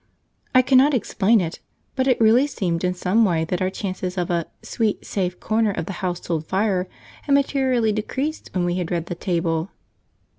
I cannot explain it, but it really seemed in some way that our chances of a 'sweet, safe corner of the household fire' had materially decreased when we had read the table.